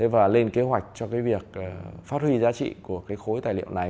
và lên kế hoạch cho việc phát huy giá trị của khối tài liệu này